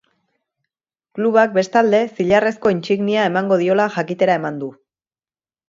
Klubak, bestalde, zilarrezko-intsignia emango diola jakitera eman du.